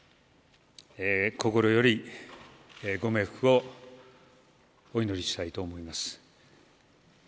心より、ご冥福をお祈りしたいと思います。